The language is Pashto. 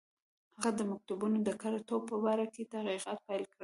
هغه د مکتوبونو د کره توب په باره کې تحقیقات پیل کړل.